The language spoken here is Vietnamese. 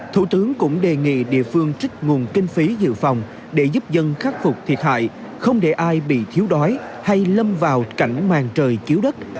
thủ tướng cũng đề nghị địa phương trích nguồn kinh phí dự phòng để giúp dân khắc phục thiệt hại không để ai bị thiếu đói hay lâm vào cảnh màn trời chiếu đất